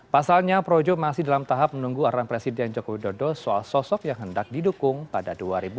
pasalnya projo masih dalam tahap menunggu arahan presiden joko widodo soal sosok yang hendak didukung pada dua ribu dua puluh